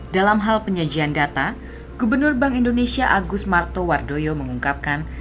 dalam hal penyajian data gubernur bank indonesia agus martowardoyo mengungkapkan